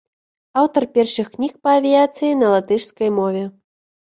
Аўтар першых кніг па авіяцыі на латышскай мове.